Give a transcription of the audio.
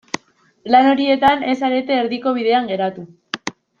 Lan horietan ez zarete erdiko bidean geratu.